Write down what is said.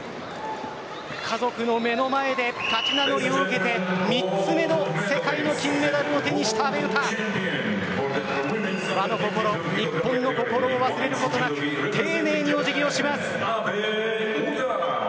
家族の目の前で勝ち名乗りを挙げて、３つ目の世界の金メダルを手にした阿部詩和の心、日本の心を忘れることなく丁寧にお辞儀をします。